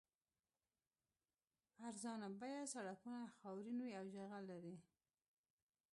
ارزان بیه سړکونه خاورین وي او جغل لري